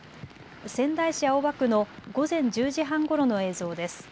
仙台市青葉区の午前１０時半ごろの映像です。